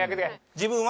自分は？